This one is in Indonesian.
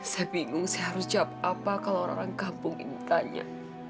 saya bingung saya harus jawab apa kalau orang orang kampung ini tanya